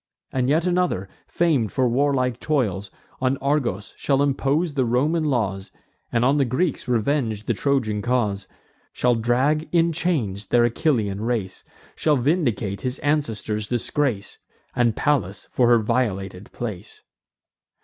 And yet another, fam'd for warlike toils, On Argos shall impose the Roman laws, And on the Greeks revenge the Trojan cause; Shall drag in chains their Achillean race; Shall vindicate his ancestors' disgrace, And Pallas, for her violated place.